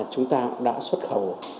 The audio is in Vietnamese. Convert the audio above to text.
chúng ta đã xuất khẩu